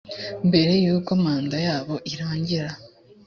mbere y’uko manda yabo irangira